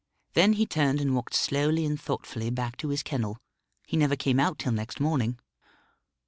Then he turned and walked slowly and thoughtfully back to his kennel. He never came out till next morning."